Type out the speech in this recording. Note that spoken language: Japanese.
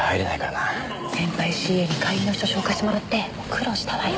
先輩ＣＡに会員の人紹介してもらって苦労したわよ。